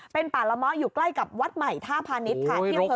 เป็นป่าละมอดอยู่ใกล้กับวัดใหม่ธาพานิษย์ไฮโลกคะ